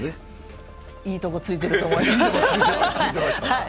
いいとこついてると思います。